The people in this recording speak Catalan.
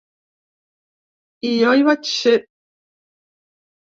I jo hi vaig ser.